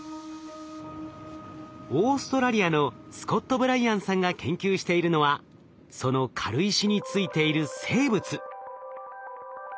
オーストラリアのスコット・ブライアンさんが研究しているのはその軽石についている生物。